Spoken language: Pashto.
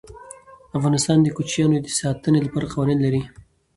افغانستان د کوچیانو د ساتنې لپاره قوانین لري.